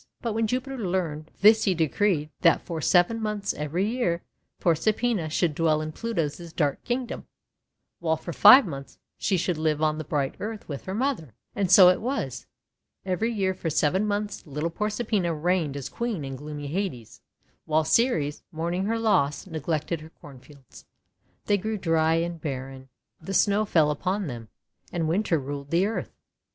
But when Jupiter learned this he decreed that for seven months every year Proserpina should dwell in Pluto's dark Kingdom, while for five months she should live on the bright earth with her mother. And so it was. Every year for seven months little Proserpina reigned as Queen in gloomy Hades, while Ceres, mourning her loss, neglected her cornfields. They grew dry and barren, the Snow fell upon them, and Winter ruled the earth.